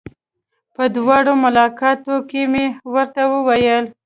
په دواړو ملاقاتونو کې مې ورته وويل.